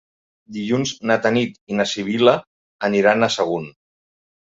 Dilluns na Tanit i na Sibil·la aniran a Sagunt.